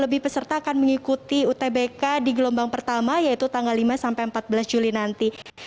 dua puluh lebih peserta akan mengikuti utbk di gelombang pertama yaitu tanggal lima sampai empat belas juli nanti